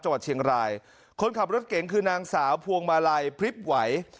จังหวัดเชียงรายคนขับรถเก๋งคือนางสาวพวงมาลัยพริบไหว